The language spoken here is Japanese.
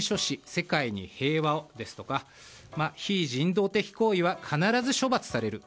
世界に平和をですとか非人道的行為は必ず処罰される。